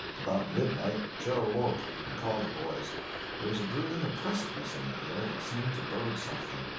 About midnight Joe awoke, and called the boys. There was a brooding oppressiveness in the air that seemed to bode something.